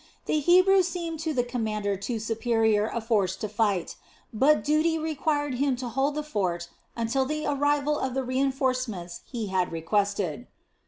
The Hebrews seemed to the commander too superior a force to fight, but duty required him to hold the fort until the arrival of the reinforcements he had requested.